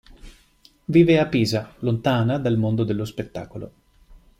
Vive a Pisa, lontana dal mondo dello spettacolo.